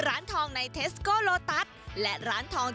อันนี้เลยอะโกท